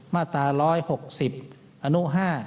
มาตรา๑๖๐อนุ๕